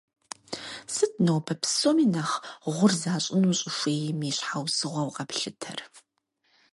Сыт нобэ псоми нэхъ гъур защӏыну щӏыхуейм и щхьэусыгъуэу къэплъытэр?